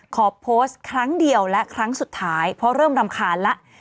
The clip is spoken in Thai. ขอโพสต์ครั้งเดียวและครั้งสุดท้ายเพราะเริ่มรำคาญแล้ว